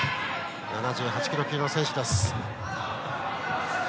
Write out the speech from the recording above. ７８キロ級の選手です。